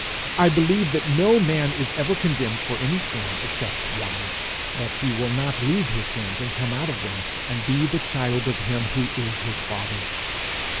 I believe that no man is ever condemned for any sin except one that he will not leave his sins and come out of them, and be the child of him who is his father.